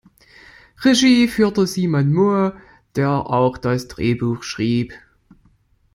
Regie führte Simon Moore, der auch das Drehbuch schrieb.